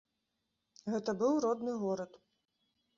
Гэта быў родны горад.